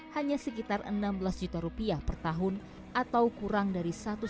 hanya sekitar rp enam belas juta per tahun atau kurang dari rp satu lima juta per bulan